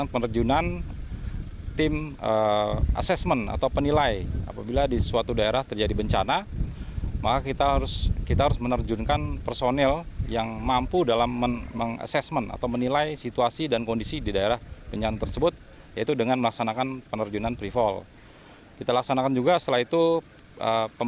penerbangan empat pesawat hercules untuk menilai lokasi bencana alam yang terjadi di sumatera selatan